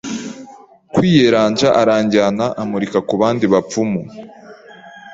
kwiyeranja aranjyana amurika ku bandi bapfumu